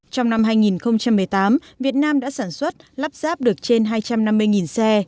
trong năm hai nghìn một mươi tám việt nam đã sản xuất lắp ráp được trên hai trăm năm mươi xe